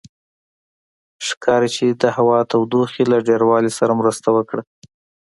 ښکاري چې د هوا تودوخې له ډېروالي سره مرسته وکړه.